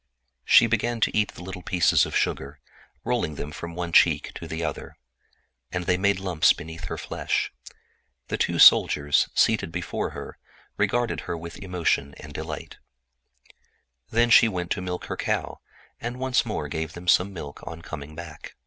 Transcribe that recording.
She began to eat the little bonbons, rolling them from one cheek to the other where they made little round lumps. The two soldiers, seated before her, gazed at her with emotion and delight. Then she went to milk her cow, and once more gave them some milk on coming back.